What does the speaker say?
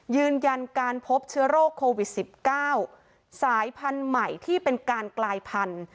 ยืนยันการพบเชื้อโรคโควิด๑๙สายพันธุ์ใหม่ที่เป็นการกลายพันธุ์